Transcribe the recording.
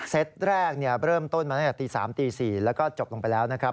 ตแรกเริ่มต้นมาตั้งแต่ตี๓ตี๔แล้วก็จบลงไปแล้วนะครับ